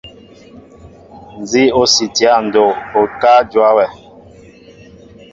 Nzi o siini ya ndoo, okáá ma njóa wɛ.